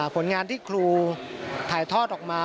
ผลงานที่ครูถ่ายทอดออกมา